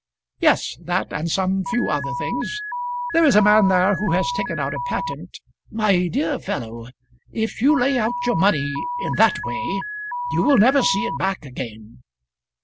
"Yes, that and some few other things. There is a man there who has taken out a patent " "My dear fellow, if you lay out your money in that way, you will never see it back again.